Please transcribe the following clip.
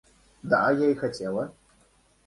Да я и хотела.